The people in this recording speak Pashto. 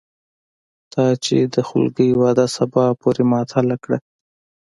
تا چې د خولګۍ وعده سبا پورې معطله کړه